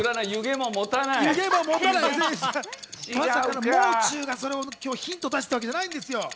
もう中が今日ヒントを出したわけじゃないんですよ。